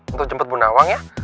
untuk jemput bu nawang ya